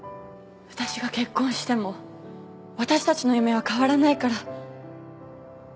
私が結婚しても私たちの夢は変わらないから。